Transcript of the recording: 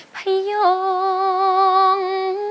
พยอง